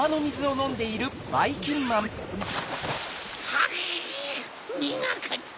ハヒにがかった。